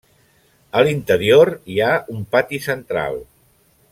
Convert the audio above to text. A l'interior hi ha un pati central.